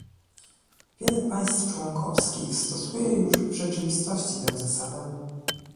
Wiele państw członkowskich stosuje już w rzeczywistości tę zasadę